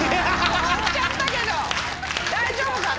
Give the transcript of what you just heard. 止まっちゃったけど大丈夫かな？